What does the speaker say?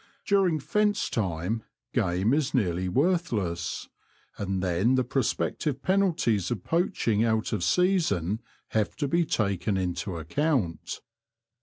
During fence time game is nearly worthless ; and then the prospective penalties of poaching out of season have to be taken into account.